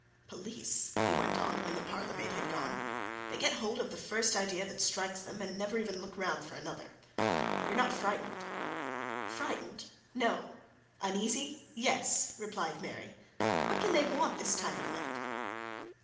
Police!" he went on, when the parlourmaid had gone. "They get hold of the first idea that strikes them, and never even look round for another, You're not frightened?" "Frightened no! Uneasy yes!" replied Mary. "What can they want, this time of night?"